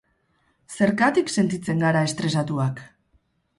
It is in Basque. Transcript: Zergatik sentitzen gara estresatuak?